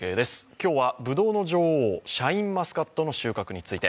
今日はぶどうの女王シャインマスカットの収穫について。